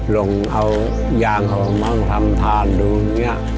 ลงเอายางของมังทำทานดูเนี่ย